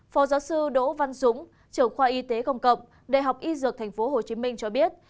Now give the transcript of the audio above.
phó giáo sư đỗ văn dũng trưởng khoa y tế công cộng đại học y dược tp hcm cho biết